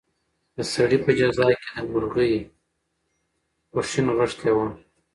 د سړي په جزا کې د مرغۍ خوښي نغښتې وه.